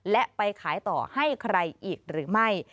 และไปขายต่อให้ใครอีกหรือไม่